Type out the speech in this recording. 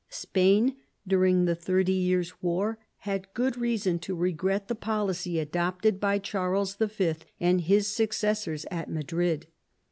Spain during the Thirty Years' War had good reason to regret the policy adopted by Charles V. and his successors at Madrid.